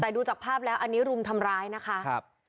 แต่ดูจากภาพแล้วอันนี้รุมทำร้ายนะคะครับ